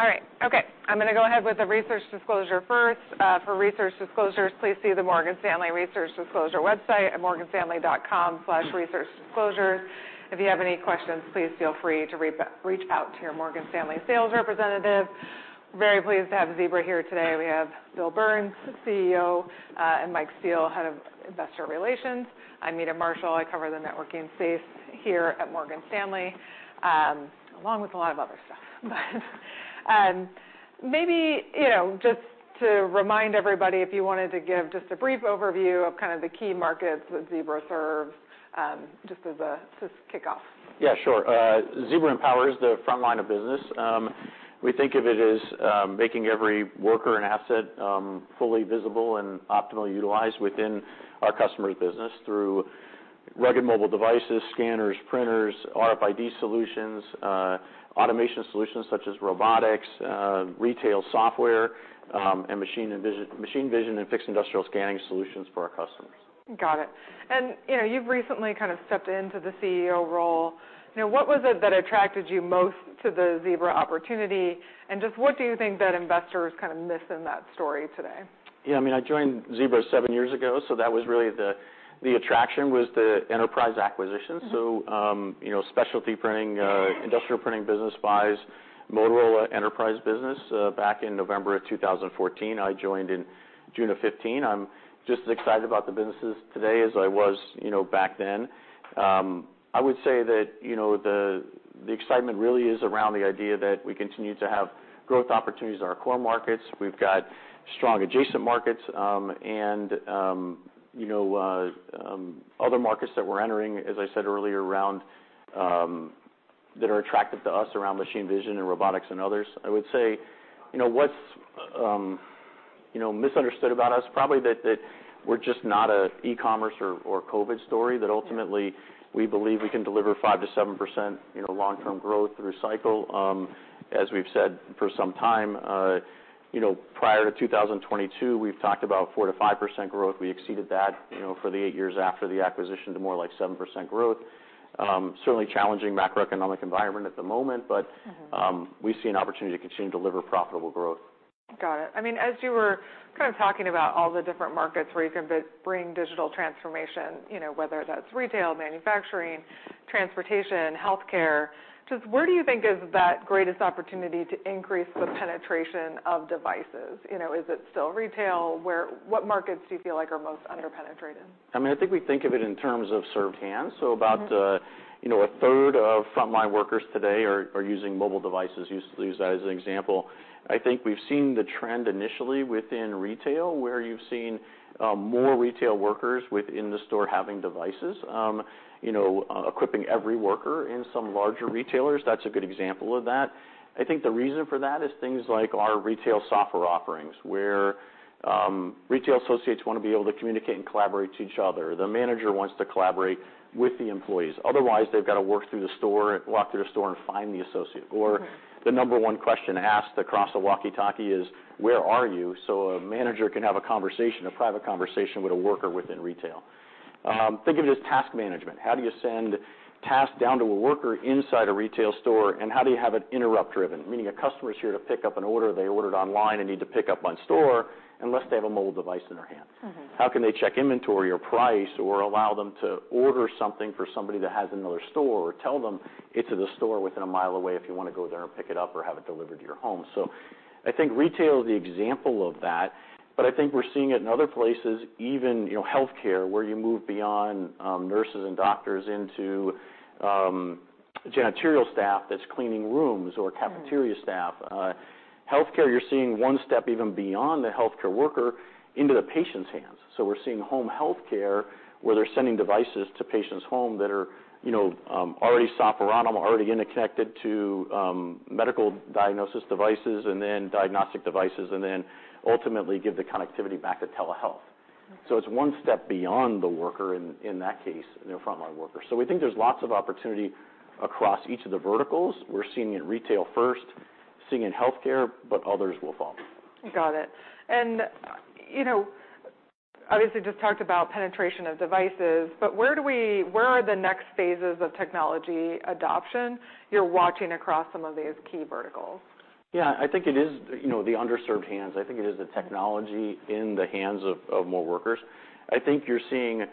All right. Okay, I'm gonna go ahead with the research disclosure first. For research disclosures, please see the Morgan Stanley Research Disclosure website at morganstanley.com/researchdisclosures. If you have any questions, please feel free to reach out to your Morgan Stanley sales representative. Very pleased to have Zebra here today. We have Bill Burns, CEO, and Mike Steele, head of Investor Relations. I'm Meta Marshall, I cover the networking space here at Morgan Stanley, along with a lot of other stuff. Maybe, you know, just to remind everybody, if you wanted to give just a brief overview of kind of the key markets that Zebra serves, to kick off. Yeah, sure. Zebra empowers the front line of business. We think of it as making every worker and asset fully visible and optimally utilized within our customer's business through rugged mobile devices, scanners, printers, RFID solutions, automation solutions such as robotics, retail software, and machine vision and fixed industrial scanning solutions for our customers. Got it. You know, you've recently kind of stepped into the CEO role. You know, what was it that attracted you most to the Zebra opportunity? Just what do you think that investors kind of miss in that story today? Yeah, I mean, I joined Zebra seven years ago, so that was really the attraction was the enterprise acquisition. You know, specialty printing, industrial printing business buys Motorola Enterprise Business back in November of 2014. I joined in June of 2015. I'm just as excited about the businesses today as I was, you know, back then. I would say that, you know, the excitement really is around the idea that we continue to have growth opportunities in our core markets. We've got strong adjacent markets, and, you know, other markets that we're entering, as I said earlier, around that are attractive to us around machine vision and robotics and others. I would say, you know, what's, you know, misunderstood about us, probably that we're just not a e-commerce or COVID story, that ultimately we believe we can deliver 5%-7%, you know, long-term growth through cycle. As we've said for some time, you know, prior to 2022, we've talked about 4%-5% growth. We exceeded that, you know, for the 8 years after the acquisition to more like 7% growth. Certainly challenging macroeconomic environment at the moment. We see an opportunity to continue to deliver profitable growth. Got it. I mean, as you were kind of talking about all the different markets where you can bring digital transformation, you know, whether that's retail, manufacturing, transportation, healthcare, just where do you think is that greatest opportunity to increase the penetration of devices? You know, is it still retail? What markets do you feel like are most under-penetrated? I mean, I think we think of it in terms of served hands. About, you know, a third of frontline workers today are using mobile devices. Use that as an example. I think we've seen the trend initially within retail, where you've seen more retail workers within the store having devices. You know, equipping every worker in some larger retailers, that's a good example of that. I think the reason for that is things like our retail software offerings, where retail associates wanna be able to communicate and collaborate to each other. The manager wants to collaborate with the employees. Otherwise, they've got to work through the store, walk through the store and find the associate the number one question asked across a walkie-talkie is, "Where are you?" A manager can have a conversation, a private conversation with a worker within retail. Think of it as task management. How do you send tasks down to a worker inside a retail store? How do you have it interrupt driven? Meaning a customer's here to pick up an order they ordered online and need to pick up on store, unless they have a mobile device in their hand. How can they check inventory or price or allow them to order something for somebody that has another store or tell them it's at the store within a mile away if you wanna go there and pick it up or have it delivered to your home. I think retail is the example of that, but I think we're seeing it in other places, even, you know, healthcare, where you move beyond nurses and doctors into janitorial staff that's cleaning rooms or cafeteria staff. Healthcare, you're seeing one step even beyond the healthcare worker into the patient's hands. We're seeing home healthcare, where they're sending devices to patients' home that are, you know, already set up for them, already interconnected to medical diagnosis devices and then diagnostic devices, and then ultimately give the connectivity back to telehealth. It's one step beyond the worker in that case, you know, frontline worker. We think there's lots of opportunity across each of the verticals. We're seeing it in retail first, seeing in healthcare, but others will follow. Got it. You know, obviously just talked about penetration of devices, but where are the next phases of technology adoption you're watching across some of these key verticals? I think it is, you know, the underserved hands. I think it is the technology in the hands of more workers. I think you're seeing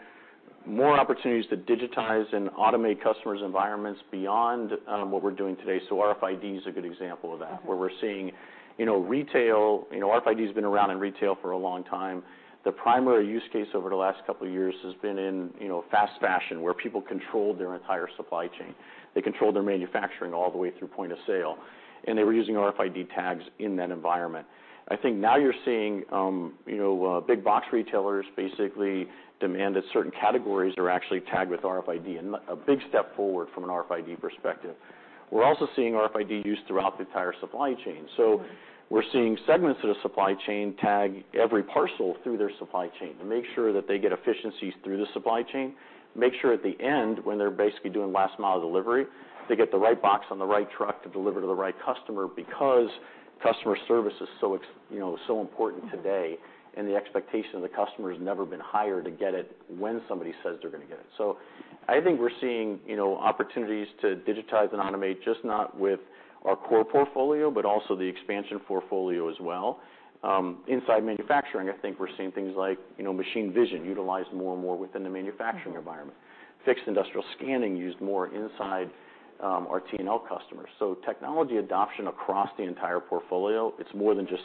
more opportunities to digitize and automate customers' environments beyond what we're doing today. RFID is a good example of that. Okay. Where we're seeing, you know, retail. You know, RFID has been around in retail for a long time. The primary use case over the last couple of years has been in, you know, fast fashion, where people control their entire supply chain. They control their manufacturing all the way through point of sale, and they were using RFID tags in that environment. I think now you're seeing, you know, big box retailers basically demand that certain categories are actually tagged with RFID, and a big step forward from an RFID perspective. We're also seeing RFID used throughout the entire supply chain. We're seeing segments of the supply chain tag every parcel through their supply chain to make sure that they get efficiencies through the supply chain, make sure at the end, when they're basically doing last mile delivery, they get the right box on the right truck to deliver to the right customer because customer service is so you know, so important today, and the expectation of the customer has never been higher to get it when somebody says they're gonna get it. I think we're seeing, you know, opportunities to digitize and automate, just not with our core portfolio, but also the expansion portfolio as well. Inside manufacturing, I think we're seeing things like, you know, machine vision utilized more and more within the manufacturing environment. Fixed industrial scanning used more inside our T&L customers. Technology adoption across the entire portfolio, it's more than just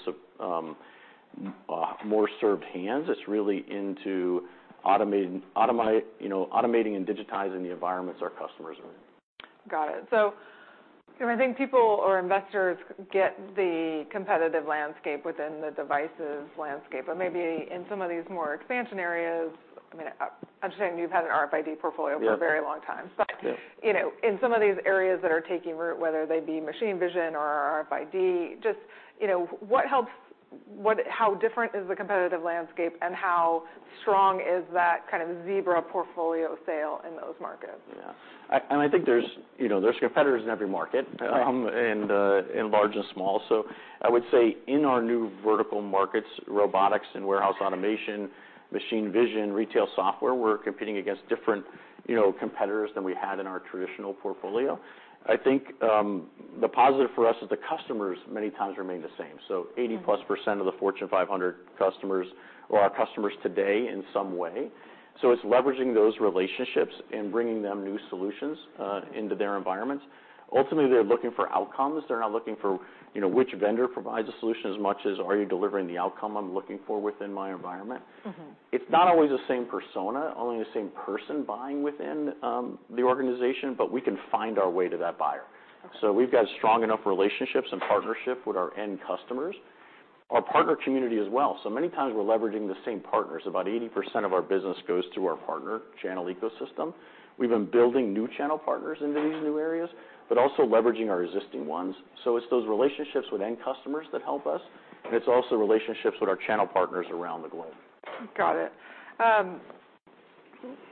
more served hands. It's really into you know, automating and digitizing the environments our customers are in. Got it. I mean, I think people or investors get the competitive landscape within the devices landscape, but maybe in some of these more expansion areas, I mean, I'm assuming you've had an RFID portfolio. Yeah For a very long time. Yeah. You know, in some of these areas that are taking root, whether they be machine vision or RFID, just, you know, how different is the competitive landscape, and how strong is that kind of Zebra portfolio sale in those markets? Yeah. I think there's, you know, there's competitors in every market. In large and small. I would say in our new vertical markets, robotics and warehouse automation, machine vision, retail software, we're competing against different, you know, competitors than we had in our traditional portfolio. I think the positive for us is the customers many times remain the same. 80+% of the Fortune 500 customers are our customers today in some way. It's leveraging those relationships and bringing them new solutions into their environments. Ultimately, they're looking for outcomes. They're not looking for, you know, which vendor provides a solution as much as, "Are you delivering the outcome I'm looking for within my environment? It's not always the same persona, only the same person buying within the organization. We can find our way to that buyer. Okay. We've got strong enough relationships and partnership with our end customers. Our partner community as well, so many times we're leveraging the same partners. About 80% of our business goes through our partner channel ecosystem. We've been building new channel partners into these new areas but also leveraging our existing ones. It's those relationships with end customers that help us, and it's also relationships with our channel partners around the globe. Got it.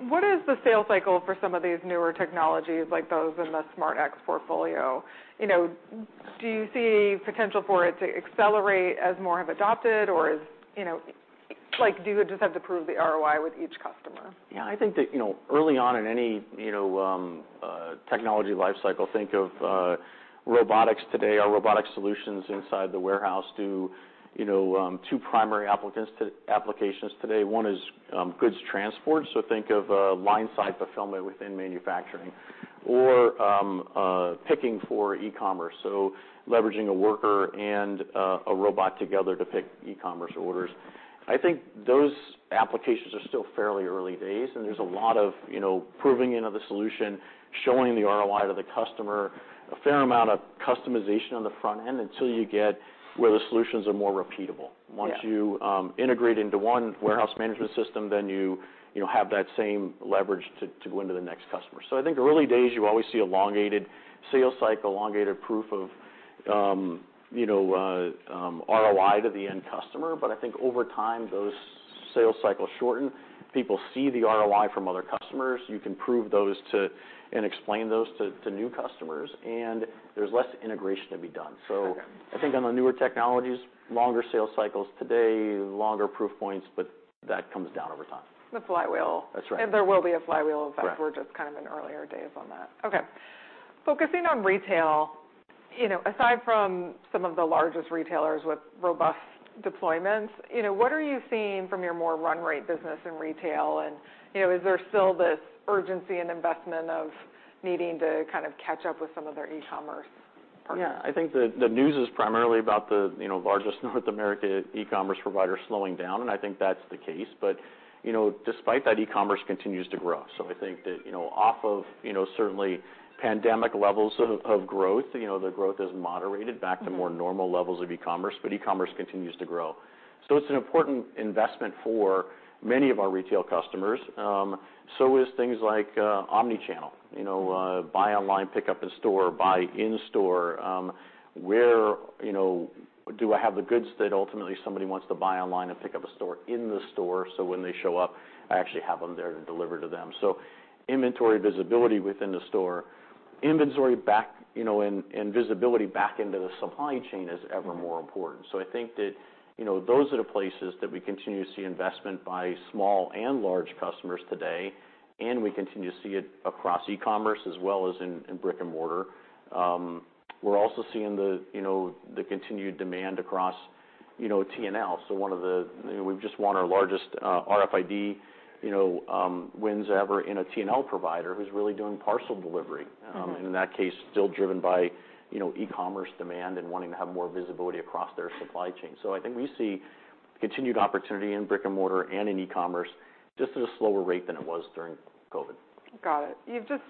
What is the sales cycle for some of these newer technologies, like those in the SmartLens portfolio? You know, do you see potential for it to accelerate as more have adopted, or, you know, like, do you just have to prove the ROI with each customer? Yeah, I think that, you know, early on in any, you know, technology life cycle, think of robotics today. Our robotic solutions inside the warehouse do, you know, two primary applications today. One is goods transport, so think of lineside fulfillment within manufacturing, or picking for e-commerce, so leveraging a worker and a robot together to pick e-commerce orders. I think those applications are still fairly early days, and there's a lot of, you know, proving of the solution, showing the ROI to the customer, a fair amount of customization on the front end until you get where the solutions are more repeatable. Yeah. Once you integrate into one warehouse management system, then you know, have that same leverage to go into the next customer. I think the early days, you always see elongated sales cycle, elongated proof of, you know, ROI to the end customer. I think over time, those sales cycles shorten. People see the ROI from other customers. You can prove those to and explain those to new customers, and there's less integration to be done. Okay. I think on the newer technologies, longer sales cycles today, longer proof points, but that comes down over time. The flywheel. That's right. There will be a flywheel effect. Right. We're just kind of in earlier days on that. Okay. Focusing on retail, you know, aside from some of the largest retailers with robust deployments, you know, what are you seeing from your more run rate business in retail? You know, is there still this urgency and investment of needing to kind of catch up with some of their e-commerce partners? Yeah. I think the news is primarily about the, you know, largest North American e-commerce provider slowing down, and I think that's the case. You know, despite that, e-commerce continues to grow. I think that, off of, certainly pandemic levels of growth, the growth has moderated back to more normal levels of e-commerce, but e-commerce continues to grow. It's an important investment for many of our retail customers. So is things like omni-channel. You know, buy online, pick up in store, buy in store. Where, you know, do I have the goods that ultimately somebody wants to buy online and pick up a store in the store, so when they show up, I actually have them there to deliver to them? Inventory visibility within the store, inventory back, you know, and visibility back into the supply chain is ever more important. I think that, you know, those are the places that we continue to see investment by small and large customers today, and we continue to see it across e-commerce as well as in brick and mortar. We're also seeing the, you know, the continued demand across, you know, T&L. One of the You know, we've just won our largest RFID, you know, wins ever in a T&L provider who's really doing parcel delivery. And in that case, still driven by, you know, e-commerce demand and wanting to have more visibility across their supply chain. I think we see continued opportunity in brick and mortar and in e-commerce, just at a slower rate than it was during COVID. Got it. You've just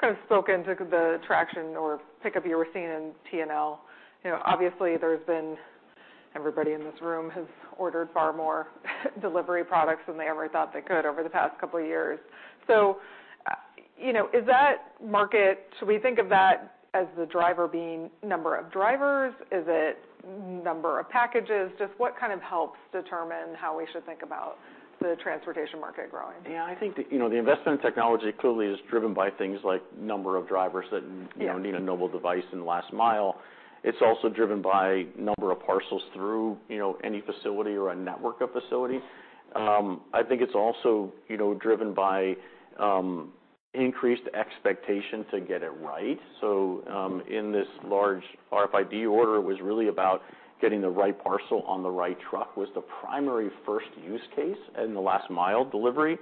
kind of spoken to the traction or pickup you were seeing in T&L. You know, obviously, everybody in this room has ordered far more delivery products than they ever thought they could over the past couple of years. You know, is that market. Should we think of that as the driver being number of drivers? Is it number of packages? Just what kind of helps determine how we should think about the transportation market growing? Yeah, I think the, you know, the investment in technology clearly is driven by things like number of drivers that, you know. Yeah need a mobile device in the last mile. It's also driven by number of parcels through, you know, any facility or a network of facilities. I think it's also, you know, driven by increased expectation to get it right. In this large RFID order, it was really about getting the right parcel on the right truck, was the primary first use case in the last mile delivery.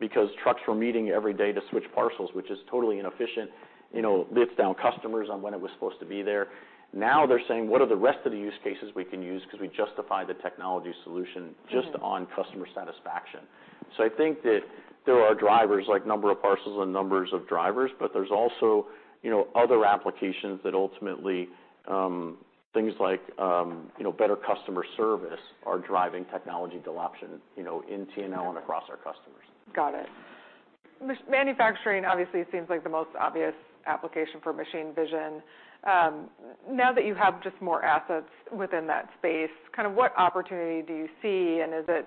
Because trucks were meeting every day to switch parcels, which is totally inefficient. You know, lets down customers on when it was supposed to be there. Now they're saying, "What are the rest of the use cases we can use 'cause we justify the technology solution just on customer satisfaction? I think that there are drivers, like number of parcels and numbers of drivers, but there's also, you know, other applications that ultimately, things like, you know, better customer service are driving technology adoption, you know, in T&L and across our customers. Got it. Manufacturing obviously seems like the most obvious application for machine vision. Now that you have just more assets within that space, kind of what opportunity do you see? Is it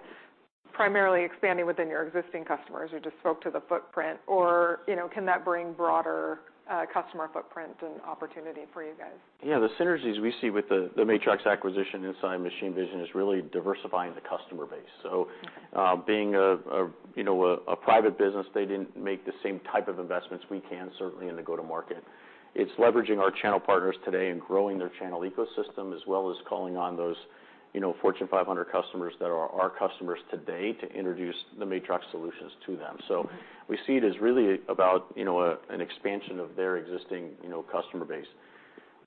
primarily expanding within your existing customers who just spoke to the footprint? Or, you know, can that bring broader customer footprint and opportunity for you guys? The synergies we see with the Matrox acquisition inside machine vision is really diversifying the customer base. Being a, you know, a private business, they didn't make the same type of investments we can certainly in the go-to-market. It's leveraging our channel partners today and growing their channel ecosystem, as well as calling on those, you know, Fortune 500 customers that are our customers today to introduce the Matrox solutions to them. We see it as really about, you know, an expansion of their existing, you know, customer base.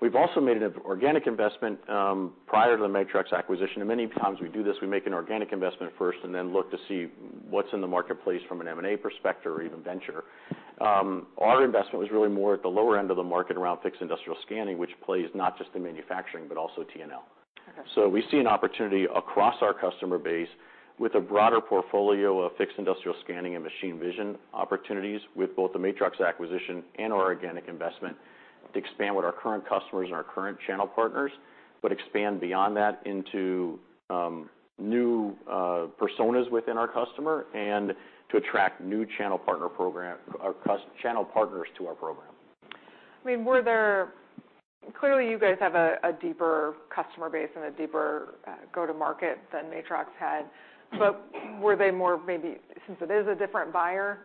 We've also made an organic investment prior to the Matrox acquisition. Many times we do this, we make an organic investment first, and then look to see what's in the marketplace from an M&A perspective or even venture. Our investment was really more at the lower end of the market around fixed industrial scanning, which plays not just in manufacturing, but also T&L. Okay. We see an opportunity across our customer base with a broader portfolio of fixed industrial scanning and machine vision opportunities with both the Matrox acquisition and our organic investment to expand with our current customers and our current channel partners. Expand beyond that into new personas within our customer, and to attract new channel partners to our program. I mean, Clearly, you guys have a deeper customer base and a deeper go-to-market than Matrox had. Were they more maybe, since it is a different buyer?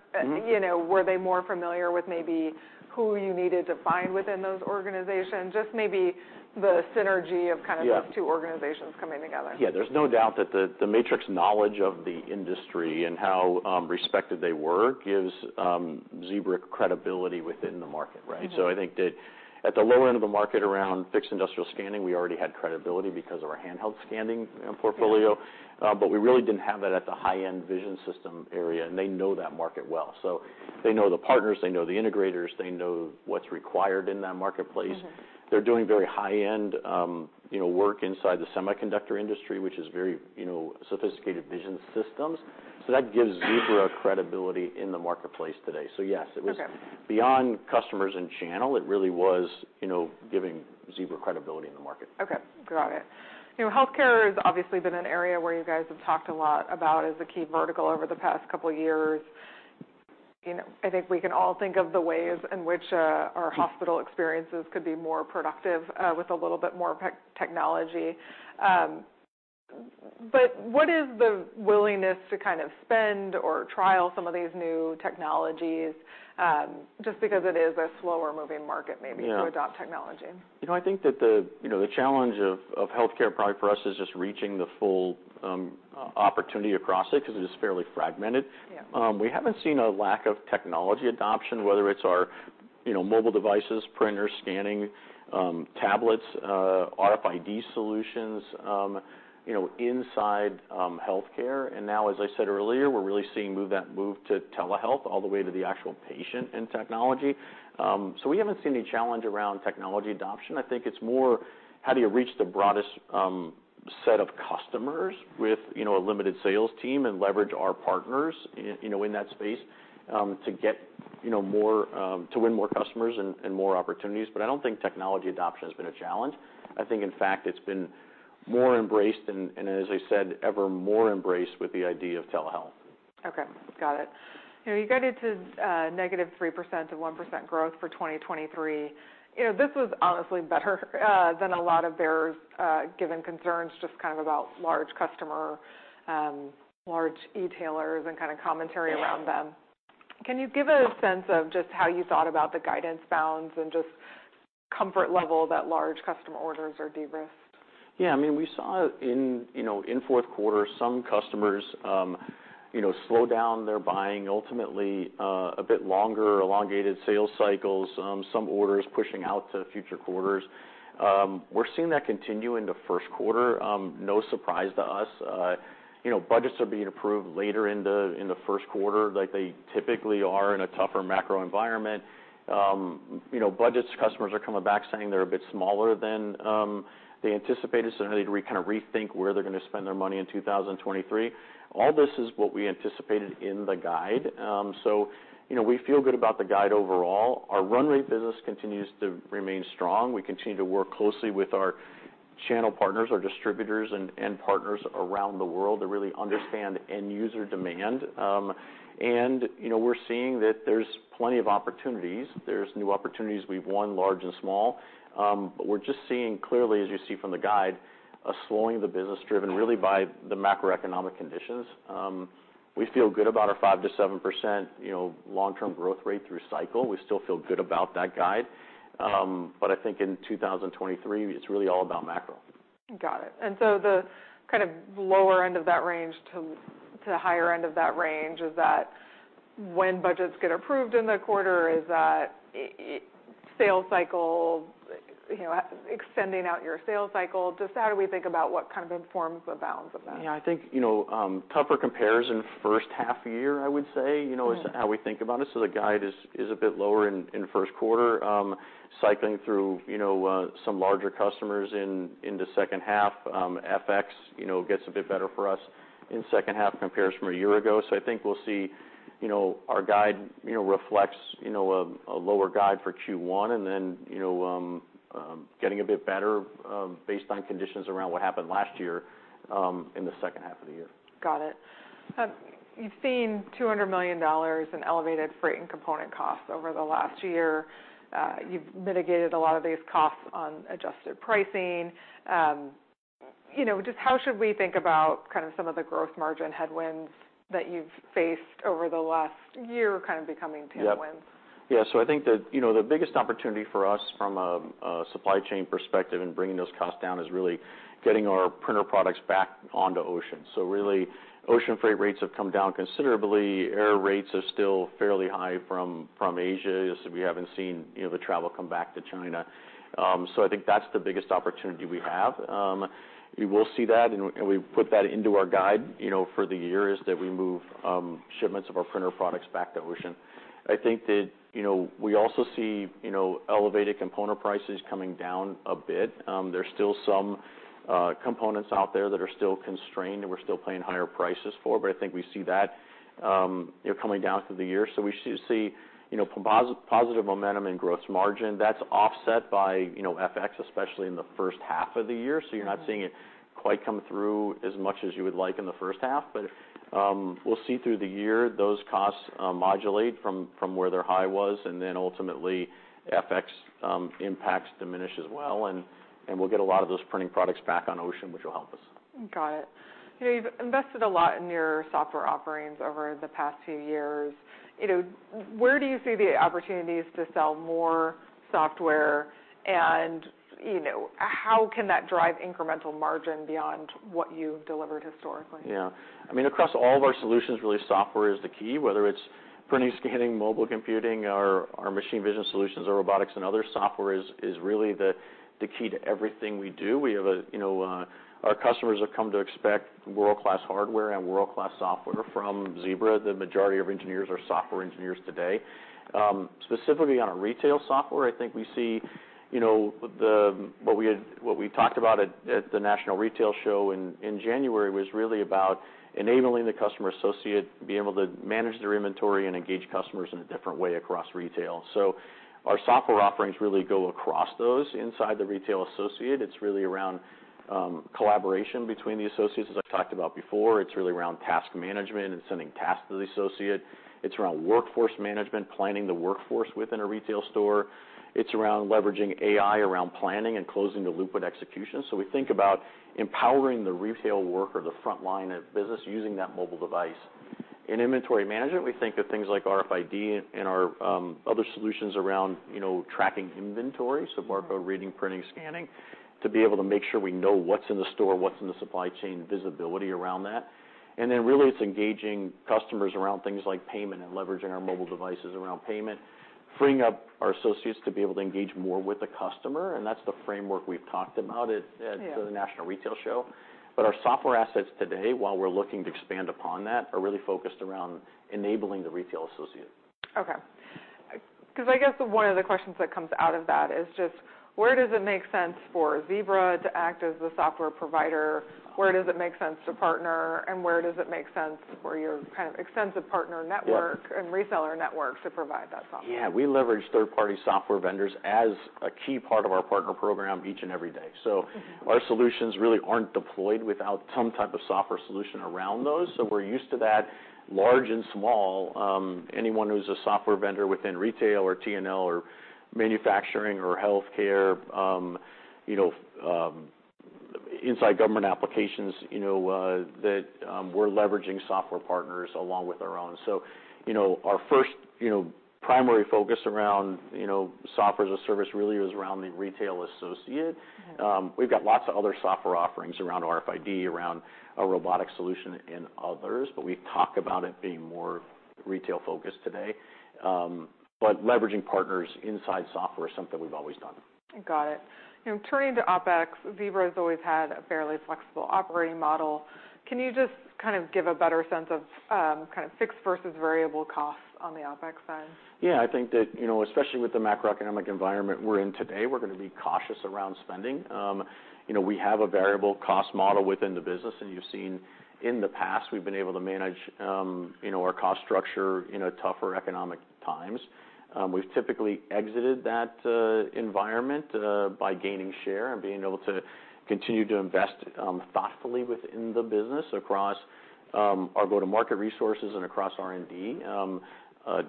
You know, were they more familiar with maybe who you needed to find within those organizations? Just maybe the synergy of kind of. Yeah those two organizations coming together. Yeah. There's no doubt that the Matrox knowledge of the industry and how respected they were gives Zebra credibility within the market, right? I think that at the lower end of the market around fixed industrial scanning, we already had credibility because of our handheld scanning, you know, portfolio. Yeah. We really didn't have that at the high-end vision system area, and they know that market well. They know the partners, they know the integrators, they know what's required in that marketplace. They're doing very high-end, you know, work inside the semiconductor industry, which is very, you know, sophisticated vision systems. That gives Zebra credibility in the marketplace today. Yes. Okay Beyond customers and channel. It really was, you know, giving Zebra credibility in the market. Okay. Got it. You know, healthcare has obviously been an area where you guys have talked a lot about as a key vertical over the past couple of years. You know, I think we can all think of the ways in which our hospital experiences could be more productive with a little bit more technology. What is the willingness to kind of spend or trial some of these new technologies just because it is a slower moving market maybe? Yeah To adopt technology? You know, I think that the, you know, the challenge of healthcare probably for us is just reaching the full opportunity across it 'cause it is fairly fragmented. Yeah. We haven't seen a lack of technology adoption, whether it's our mobile devices, printers, scanning, tablets, RFID solutions, inside healthcare. Now, as I said earlier, we're really seeing move that move to telehealth all the way to the actual patient in technology. We haven't seen any challenge around technology adoption. I think it's more, how do you reach the broadest set of customers with a limited sales team and leverage our partners in that space to win more customers and more opportunities. I don't think technology adoption has been a challenge. I think, in fact, it's been more embraced and as I said, ever more embraced with the idea of telehealth. Okay. Got it. You know, you guided to -3% to 1% growth for 2023. You know, this was honestly better than a lot of bears, given concerns just kind of about large customer, large e-tailers and kind of commentary around them. Yeah. Can you give a sense of just how you thought about the guidance bounds and just comfort level that large customer orders are de-risked? Yeah. I mean, we saw in, you know, in Q4, some customers, you know, slow down their buying ultimately, a bit longer, elongated sales cycles, some orders pushing out to future quarters. We're seeing that continue in the Q1, no surprise to us. You know, budgets are being approved later in the Q1, like they typically are in a tougher macro environment. You know, budgets, customers are coming back saying they're a bit smaller than they anticipated, so they need to re- kind of rethink where they're gonna spend their money in 2023. All this is what we anticipated in the guide. You know, we feel good about the guide overall. Our run rate business continues to remain strong. We continue to work closely with our channel partners, our distributors and partners around the world to really understand end user demand. You know, we're seeing that there's plenty of opportunities. There's new opportunities we've won, large and small. We're just seeing clearly, as you see from the guide, a slowing of the business driven really by the macroeconomic conditions. We feel good about our 5% to 7%, you know, long-term growth rate through cycle. We still feel good about that guide. I think in 2023, it's really all about macro. Got it. The kind of lower end of that range to the higher end of that range, is that when budgets get approved in the quarter? Is that, it sales cycle, you know, extending out your sales cycle? Just how do we think about what kind of informs the bounds of that? Yeah, I think, you know, tougher comparison first half year, I would say, you know, is how we think about it. The guide is a bit lower in the Q1. Cycling through, you know, some larger customers in the second half. FX, you know, gets a bit better for us in second half compares from a year ago. I think we'll see, you know, our guide, you know, reflects, you know, a lower guide for Q1, and then, you know, getting a bit better, based on conditions around what happened last year, in the second half of the year. Got it. You've seen $200 million in elevated freight and component costs over the last year. You've mitigated a lot of these costs on adjusted pricing. You know, just how should we think about kind of some of the growth margin headwinds that you've faced over the last year? Yep. Tailwinds? I think that, you know, the biggest opportunity for us from a supply chain perspective in bringing those costs down is really getting our printer products back onto ocean. Really, ocean freight rates have come down considerably. Air rates are still fairly high from Asia, as we haven't seen, you know, the travel come back to China. I think that's the biggest opportunity we have. You will see that, and we put that into our guide, you know, for the year, is that we move shipments of our printer products back to ocean. I think that, you know, we also see, you know, elevated component prices coming down a bit. There's still some components out there that are still constrained and we're still paying higher prices for, but I think we see that, you know, coming down through the year. We see, you know, positive momentum in gross margin. That's offset by, you know, FX, especially in the first half of the year. You're not seeing it quite come through as much as you would like in the first half. We'll see through the year those costs, modulate from where their high was. Ultimately, FX, impacts diminish as well and we'll get a lot of those printing products back on ocean, which will help us. Got it. You know, you've invested a lot in your software offerings over the past few years. You know, where do you see the opportunities to sell more software? You know, how can that drive incremental margin beyond what you've delivered historically? Yeah. I mean, across all of our solutions, really, software is the key, whether it's printing, scanning, mobile computing, our machine vision solutions or robotics and other, software is really the key to everything we do. Our customers have come to expect world-class hardware and world-class software from Zebra. The majority of engineers are software engineers today. Specifically on our retail software, I think we see, you know, what we talked about at the National Retail Federation in January was really about enabling the customer associate be able to manage their inventory and engage customers in a different way across retail. Our software offerings really go across those inside the retail associate. It's really around collaboration between the associates, as I've talked about before. It's really around task management and sending tasks to the associate. It's around workforce management, planning the workforce within a retail store. It's around leveraging AI around planning and closing the loop with execution. So we think about empowering the retail worker, the front line of business, using that mobile device. In inventory management, we think of things like RFID and our other solutions around, you know, tracking inventory. Bar code reading, printing, scanning, to be able to make sure we know what's in the store, what's in the supply chain, visibility around that. Then really, it's engaging customers around things like payment and leveraging our mobile devices around payment, freeing up our associates to be able to engage more with the customer, and that's the framework we've talked about. Yeah. At the National Retail Federation. Our software assets today, while we're looking to expand upon that, are really focused around enabling the retail associate. Okay. 'Cause I guess one of the questions that comes out of that is just where does it make sense for Zebra to act as the software provider? Where does it make sense to partner? Where does it make sense for your kind of extensive partner network... Yeah. Reseller network to provide that software? Yeah. We leverage third-party software vendors as a key part of our partner program each and every day. Our solutions really aren't deployed without some type of software solution around those, so we're used to that, large and small. Anyone who's a software vendor within retail or T&L or manufacturing or healthcare, you know, Inside government applications, you know, that, we're leveraging software partners along with our own. You know, our first, you know, primary focus around, you know, SaaS really is around the retail associate. We've got lots of other software offerings around RFID, around a robotic solution in others, but we talk about it being more retail-focused today. Leveraging partners inside software is something we've always done. Got it. You know, turning to OpEx, Zebra has always had a fairly flexible operating model. Can you just kind of give a better sense of kind of fixed versus variable costs on the OpEx side? Yeah. I think that, you know, especially with the macroeconomic environment we're in today, we're gonna be cautious around spending. you know, we have a variable cost model within the business, and you've seen in the past, we've been able to manage, you know, our cost structure in a tougher economic times. We've typically exited that environment by gaining share and being able to continue to invest thoughtfully within the business across our go-to-market resources and across R&D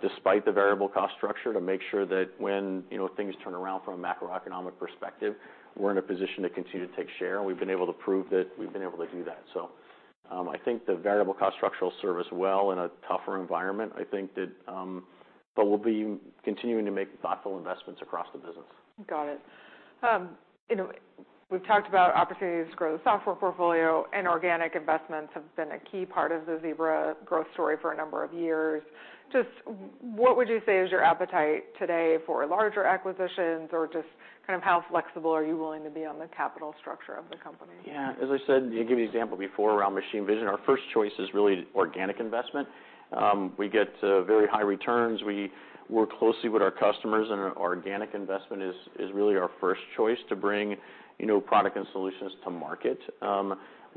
despite the variable cost structure, to make sure that when, you know, things turn around from a macroeconomic perspective, we're in a position to continue to take share. We've been able to prove that we've been able to do that. I think the variable cost structure will serve us well in a tougher environment. I think that. We'll be continuing to make thoughtful investments across the business. Got it. You know, we've talked about opportunities to grow the software portfolio and organic investments have been a key part of the Zebra growth story for a number of years. Just what would you say is your appetite today for larger acquisitions or just kind of how flexible are you willing to be on the capital structure of the company? Yeah. As I said, you gave the example before around machine vision, our first choice is really organic investment. We get very high returns. We work closely with our customers. Our organic investment is really our first choice to bring, you know, product and solutions to market.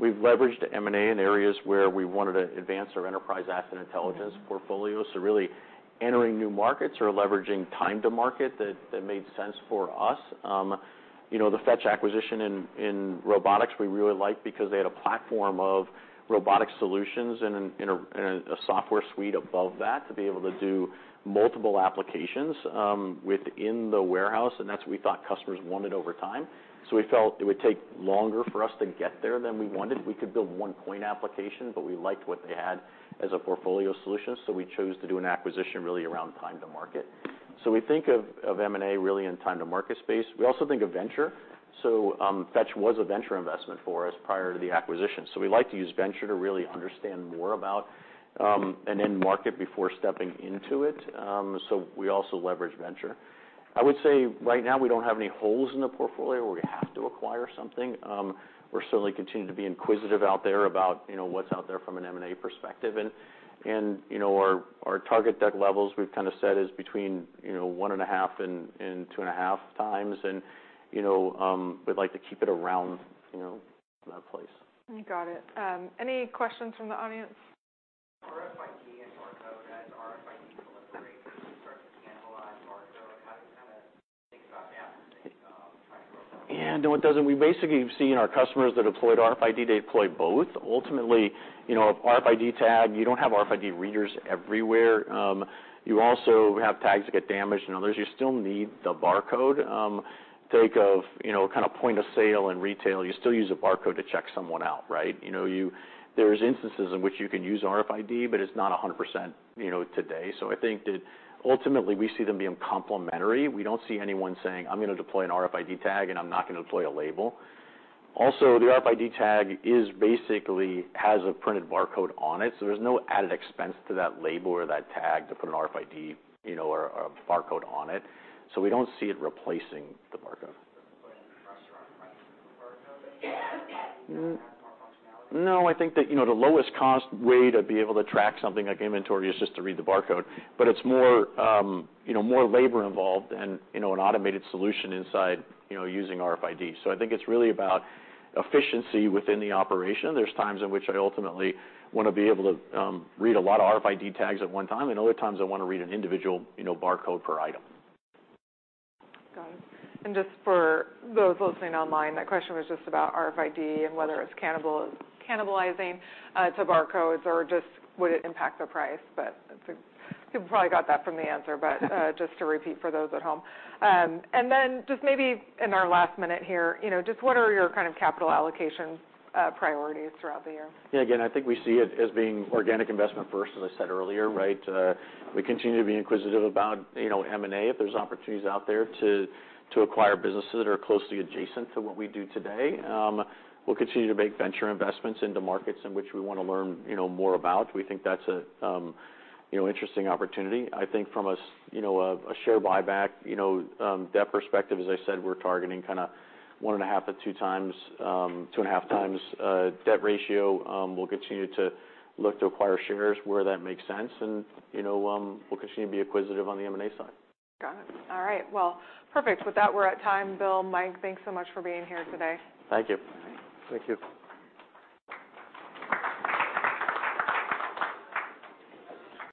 We've leveraged M&A in areas where we wanted to advance our Enterprise Asset Intelligence portfolio. Really entering new markets or leveraging time to market that made sense for us. You know, the Fetch acquisition in robotics we really liked because they had a platform of robotic solutions and in a software suite above that to be able to do multiple applications within the warehouse, and that's what we thought customers wanted over time. We felt it would take longer for us to get there than we wanted. We could build one point application, but we liked what they had as a portfolio solution, so we chose to do an acquisition really around time to market. We think of M&A really in time to market space. We also think of venture. Fetch was a venture investment for us prior to the acquisition. We like to use venture to really understand more about, an end market before stepping into it. We also leverage venture. I would say right now we don't have any holes in the portfolio where we have to acquire something. We're certainly continuing to be inquisitive out there about, you know, what's out there from an M&A perspective. Our, our target debt levels we've kind of set is between, you know, 1.5 and 2.5 times. We'd like to keep it around, you know, that place. Got it. Any questions from the audience? For RFID and barcode, as RFID delivery starts to cannibalize barcode, how do you kind of think about that as you, try and. Yeah. No, it doesn't. We basically have seen our customers that deployed RFID, they deploy both. Ultimately, you know, RFID tag, you don't have RFID readers everywhere. You also have tags that get damaged and others. You still need the barcode. Think of, you know, kind of point of sale in retail. You still use a barcode to check someone out, right? You know, there's instances in which you can use RFID, but it's not 100%, you know, today. I think that ultimately we see them being complementary. We don't see anyone saying, "I'm gonna deploy an RFID tag and I'm not gonna deploy a label." The RFID tag is basically has a printed barcode on it, so there's no added expense to that label or that tag to put an RFID, you know, or a barcode on it. We don't see it replacing the barcode. Does it put pressure on pricing for barcode that you have to have more functionality? I think that, you know, the lowest cost way to be able to track something like inventory is just to read the barcode, but it's more, you know, more labor involved than, you know, an automated solution inside, you know, using RFID. I think it's really about efficiency within the operation. There's times in which I ultimately wanna be able to read a lot of RFID tags at one time, and other times I wanna read an individual, you know, barcode per item. Got it. Just for those listening online, that question was just about RFID and whether it's cannibalizing to barcodes or just would it impact the price. I think people probably got that from the answer, but, just to repeat for those at home. Then just maybe in our last minute here, you know, just what are your kind of capital allocation priorities throughout the year? Yeah. Again, I think we see it as being organic investment first, as I said earlier, right? We continue to be inquisitive about, you know, M&A if there's opportunities out there to acquire businesses that are closely adjacent to what we do today. We'll continue to make venture investments into markets in which we wanna learn, you know, more about. We think that's a, you know, interesting opportunity. I think from a, you know, a share buyback, you know, debt perspective, as I said, we're targeting kinda 1.5x-2.5x debt ratio. We'll continue to look to acquire shares where that makes sense and, you know, we'll continue to be inquisitive on the M&A side. Got it. All right. Well, perfect. With that, we're at time. Bill, Mike, thanks so much for being here today. Thank you. All right. Thank you.